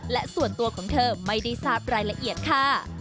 และส่วนตัวของเธอไม่ได้ทราบรายละเอียดค่ะ